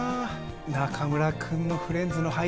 中村くんのフレンズの配置